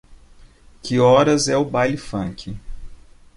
Que horas é o baile funk.